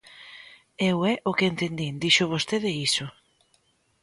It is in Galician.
Eu é o que entendín, dixo vostede iso.